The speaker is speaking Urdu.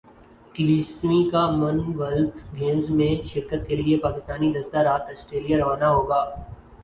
اکیسویں کا من ویلتھ گیمز میں شرکت کے لئے پاکستانی دستہ رات سٹریلیا روانہ ہو گا